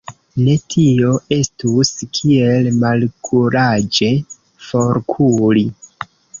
Ne, tio estus kiel malkuraĝe forkuri.